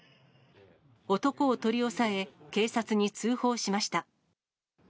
男を取り押さえ、警察に通報しました。